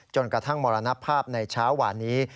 กระทั่งมรณภาพในเช้าวานนี้